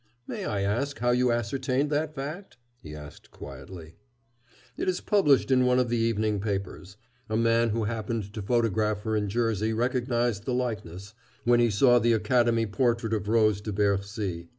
"May I ask how you ascertained that fact?" he asked quietly. "It is published in one of the evening papers. A man who happened to photograph her in Jersey recognized the likeness when he saw the Academy portrait of Rose de Bercy.